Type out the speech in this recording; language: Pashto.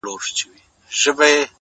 هغه نجلۍ چي هر ساعت به یې پوښتنه کول ـ